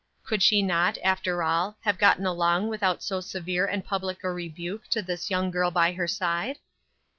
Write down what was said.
Could she not, after all, have gotten along without so severe and public a rebuke to this young girl at her side?